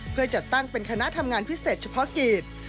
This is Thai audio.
เพื่อจัดตั้งเป็นคณะทำงานพิเศษเฉพาะกิจ